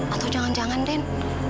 atau jangan jangan den